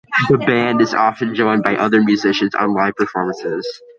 The band is often joined by other musicians on live performances.